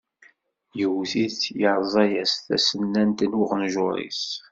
Yewwet-it yerẓa-as tasennant n uɣenjuṛ-is.